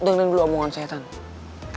dengerin dulu omongan saya tante